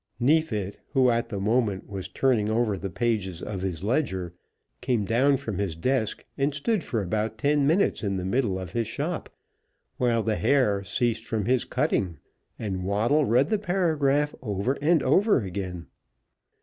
Neefit, who at the moment was turning over the pages of his ledger, came down from his desk and stood for about ten minutes in the middle of his shop, while the Herr ceased from his cutting, and Waddle read the paragraph over and over again.